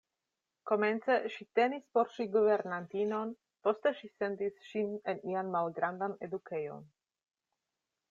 Komence ŝi tenis por ŝi guvernantinon, poste ŝi sendis ŝin en ian malgrandan edukejon.